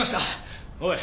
おい。